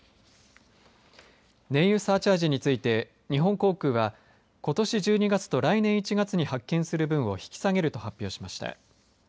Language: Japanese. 燃油サーチャージについて日本航空は、ことし１２月と来年１月に発券する分を引き下げると発表しました。